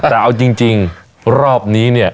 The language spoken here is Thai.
แต่เอาจริงรอบนี้เนี่ย